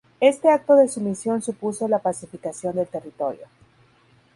Este acto de sumisión supuso la pacificación del territorio.